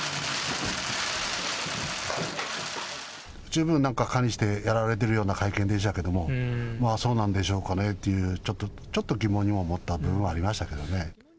十分なんか管理してやられてるような会見でしたけれども、そうなんでしょうかね？と、ちょっと疑問に思ったというのはありましたけどね。